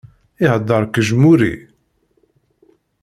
Ihedder qejmuri!